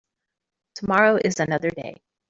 Tomorrow is another day.